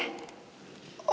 oh yaudah yaudah